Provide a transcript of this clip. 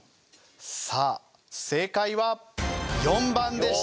さあ正解は４番でした。